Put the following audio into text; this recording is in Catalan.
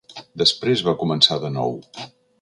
Després va començar de nou.